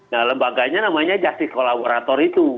nah lembaganya namanya justice collaborator itu